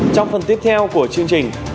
trong phần tiếp theo của chương trình